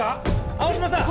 青嶌さん！